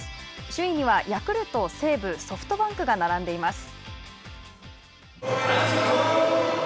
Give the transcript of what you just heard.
首位にはヤクルト、西武ソフトバンクが並んでいます。